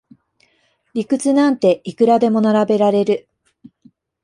理屈なんていくらでも並べられる